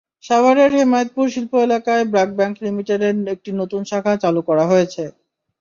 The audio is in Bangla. সাভারের হেমায়েতপুর শিল্প এলাকায় ব্র্যাক ব্যাংক লিমিটেডের একটি নতুন শাখা চালু করা হয়েছে।